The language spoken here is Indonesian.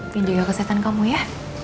pinjaga kesehatan kamu ya